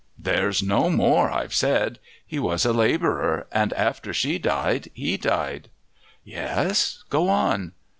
"There's no more, I've said; he was a labourer, and after she died he died." "Yes? go on."